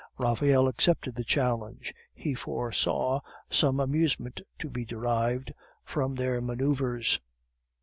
Raphael accepted the challenge, he foresaw some amusement to be derived from their manoeuvres.